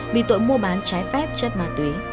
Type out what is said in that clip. vì tội mua bán trái phép chất ma túy